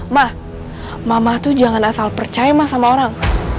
ma mama tuh jangan asal percaya sama orang